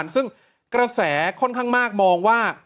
ซึ่งกระแสค่อนข้างมากมองว่า